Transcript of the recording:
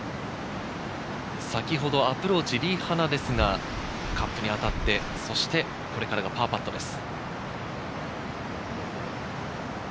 先ほどアプローチ、リ・ハナですが、カップに当たって、そしてこれからがパーパットです。